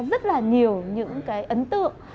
rất là nhiều những ấn tượng